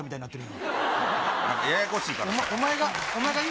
話がややこしいから。